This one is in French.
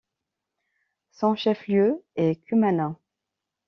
Son chef-lieu est Cumaná.